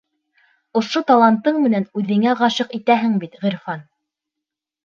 Ошо талантың менән үҙеңә ғашиҡ итәһең бит, Ғирфан!